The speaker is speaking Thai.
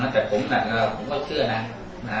แต่ผมก็เชื่อนะ